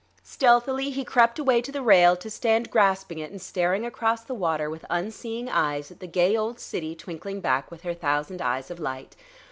Stealthily he crept away to the rail, to stand grasping it and staring across the water with unseeing eyes at the gay old city twinkling back with her thousand eyes of light.